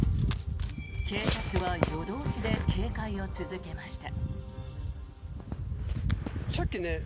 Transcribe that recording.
警察は夜通しで警戒を続けました。